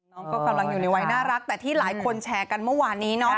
น้องก็กำลังอยู่ในวัยน่ารักแต่ที่หลายคนแชร์กันเมื่อวานนี้เนาะ